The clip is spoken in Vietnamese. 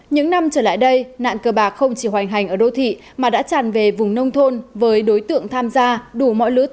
những năm trở lại đây nạn cơ bạc không chỉ hoành hành ở đô thị mà đã tràn về vùng nông thôn với đối tượng tham dự